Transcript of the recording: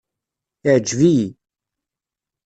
Iɛǧeb-iyi.